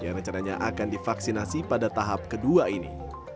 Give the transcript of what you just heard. yang rencananya akan divaksinasi pada tahap kedua ini